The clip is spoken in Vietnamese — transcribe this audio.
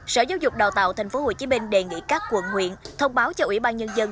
sở giáo dục đào tạo tp hcm đề nghị các quận huyện thông báo cho ủy ban nhân dân